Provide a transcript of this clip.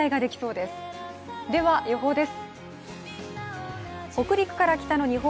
では、予報です。